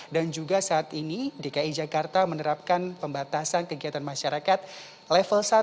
dan juga saat ini dki jakarta menerapkan pembatasan kegiatan masyarakat level satu